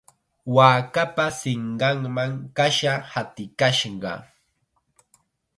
Waakapa sinqanman kasha hatikashqa.